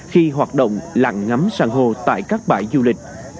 khi hoạt động lặng ngắm san hô tại các bãi du lịch